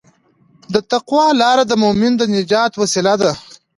د تقوی لاره د مؤمن د نجات وسیله ده.